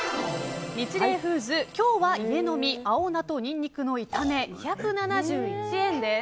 ニチレイフーズ、今日は家飲み青菜とニンニクの炒め２７１円です。